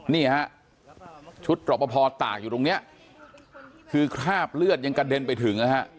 นี่ฮะชุดตรปภตากอยู่ตรงเนี้ยคือคราบเลือดยังกระเด็นไปถึงนะฮะ